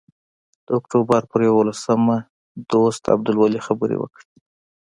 د اکتوبر پر یوولسمه دوست عبدالولي خبرې وکړې.